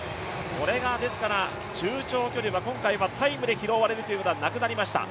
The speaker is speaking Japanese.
これが中長距離は今回はタイムで拾われるということはなくなりました。